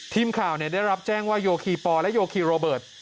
ทีมข่าวได้รับแจ้งว่าโยคีปอและโยคีโรเบิร์ต